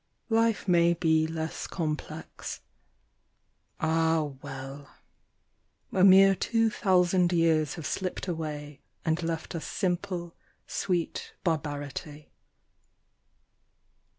Life may be less complex. Ah well ! A mere two thousand years have slipped away And left us simple, sweet Barbarity.